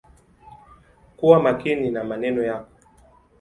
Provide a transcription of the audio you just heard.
Kuwa makini na maneno yako.